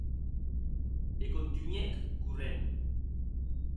E contunhèc corrent.